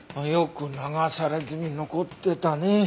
よく流されずに残ってたね。